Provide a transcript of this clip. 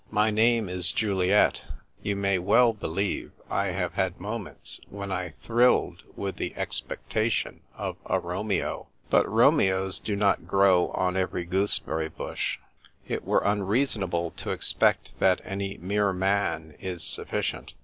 My name is Juliet ; you may well believe I have had moments when I thrilled with the expectation of a Romeo. But Romeos do not grow on every gooseberry bush. It were unreasonable to expect that any mere man is sufficient.